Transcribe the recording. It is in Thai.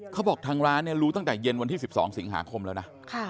เขาบอกทางร้านรู้ตั้งแต่เย็นวันที่๑๒สิงหาคมแล้วนะ